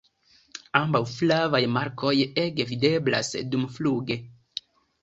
Ambaŭ flavaj markoj ege videblas dumfluge.